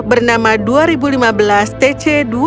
bernama dua ribu lima belas tc dua puluh lima